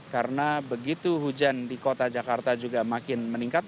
karena begitu hujan di kota jakarta juga makin meningkat